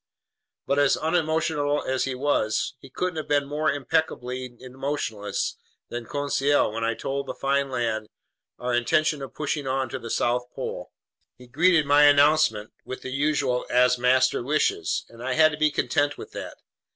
But as unemotional as he was, he couldn't have been more impeccably emotionless than Conseil when I told the fine lad our intention of pushing on to the South Pole. He greeted my announcement with the usual "As master wishes," and I had to be content with that.